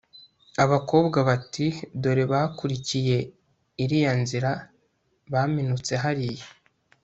abakobwa bati 'dore bakurikiye iriya nzira, baminutse hariya